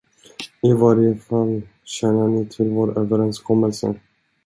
I varje fall känner ni till vår överenskommelse.